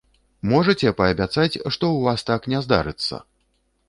Можаце паабяцаць, што у вас так не здарыцца?